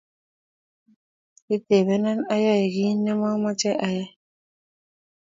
itebeno ayai kiy ne mamache ayai